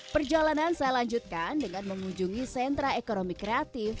perjalanan saya lanjutkan dengan mengunjungi sentra ekonomi kreatif